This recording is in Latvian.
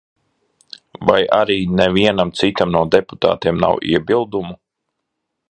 Vai arī nevienam citam no deputātiem nav iebildumu?